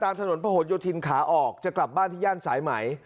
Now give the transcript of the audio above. ถนนพระหลโยธินขาออกจะกลับบ้านที่ย่านสายไหม